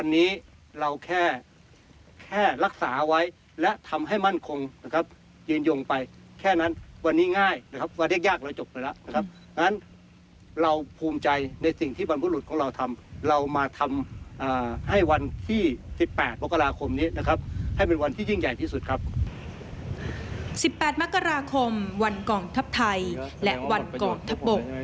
๑๘มกราคมวันกองทับไทยและวันกองทับบก